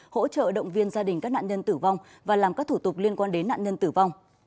hỗ trợ động viên gia đình các nạn nhân tử vong và làm các thủ tục liên quan đến nạn nhân tử vong